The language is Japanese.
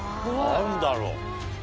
何だろう？